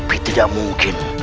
tapi tidak mungkin